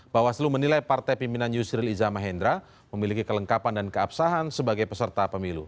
bawaslu menilai partai pimpinan yusril iza mahendra memiliki kelengkapan dan keabsahan sebagai peserta pemilu